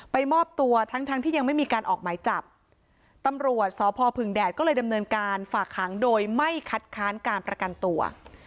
มอบตัวทั้งทั้งที่ยังไม่มีการออกหมายจับตำรวจสพพึงแดดก็เลยดำเนินการฝากหางโดยไม่คัดค้านการประกันตัว